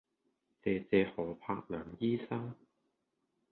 謝謝何栢良醫生